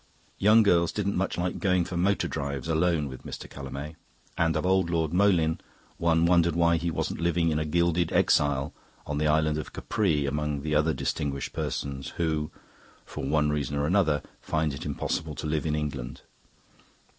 Young girls didn't much like going for motor drives alone with Mr. Callamay; and of old Lord Moleyn one wondered why he wasn't living in gilded exile on the island of Capri among the other distinguished persons who, for one reason or another, find it impossible to live in England.